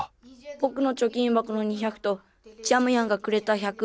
ぼくの貯金箱の２００とジャムヤンがくれた１００。